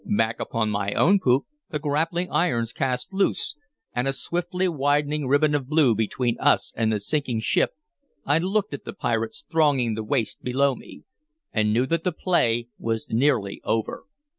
Back upon my own poop, the grappling irons cast loose, and a swiftly widening ribbon of blue between us and the sinking ship, I looked at the pirates thronging the waist below me, and knew that the play was nearly over.